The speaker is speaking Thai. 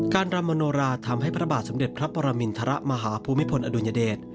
รำมโนราทำให้พระบาทสมเด็จพระปรมินทรมาหาภูมิพลอดุลยเดช